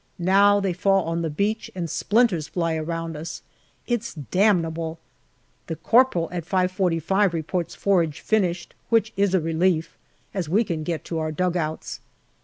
Now they fall on the beach and splinters fly around us it's damnable! The corporal at 5.45 reports JUNE 153 forage finished, which is a relief, as we can get to our dugouts.